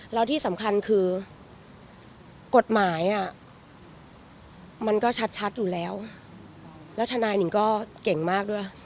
แล้วที่สำคัญคือกฎหมายมันก็ชัดอยู่แล้วแล้วทนายนิ่งก็เก่งมากด้วย